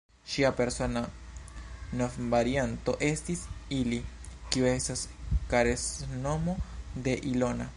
Ŝia persona nomvarianto estis "Ili," kiu estas karesnomo de Ilona.